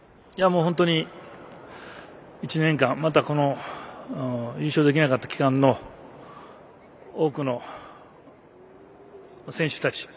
本当に１年間また優勝できなかった期間の多くの選手たち